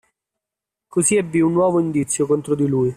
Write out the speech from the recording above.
Così, ebbi un nuovo indizio contro di lui.